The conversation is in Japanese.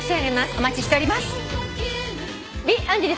お待ちしております。